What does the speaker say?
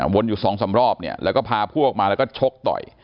วนอยู่สองสามรอบเนี่ยแล้วก็พาพวกมาแล้วก็ชกต่อย